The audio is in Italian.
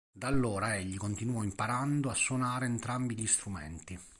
Da allora, egli continuò imparando a suonare entrambi gli strumenti.